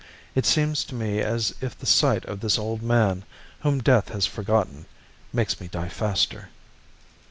It seems to me as if the sight of this old man, whom death has forgotten, makes me die faster.